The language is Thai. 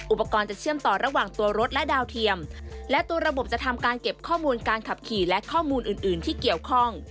อุปกรณ์จะเชื่อมต่อระหว่างตัวรถและดาวเทียมและตัวระบบจะทำการเก็บข้อมูลการขับขี่และข้อมูลอื่นอื่นที่เกี่ยวข้อง